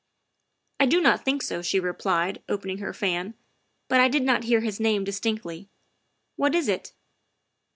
" I do not think so," she replied, opening her fan, " but I did not hear his name distinctly. What is it?"